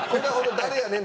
誰やねん！